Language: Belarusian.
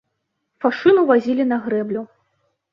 Фашыну вазілі на грэблю.